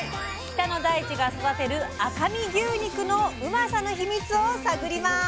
北の大地が育てる赤身牛肉のうまさのヒミツを探ります！